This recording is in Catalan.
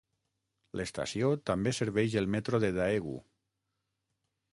L'estació també serveix el metro de Daegu.